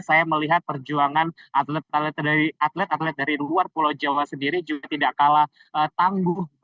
saya melihat perjuangan atlet atlet dari luar pulau jawa sendiri juga tidak kalah tangguh